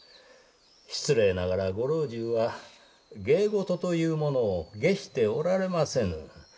失礼ながらご老中は芸事というものを解しておられませぬ。